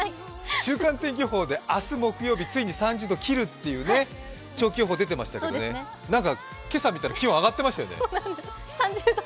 週間天気予報で明日ついに３０度を切るって長期予報が出てましたけど、今朝見たら気温上がってましたよね。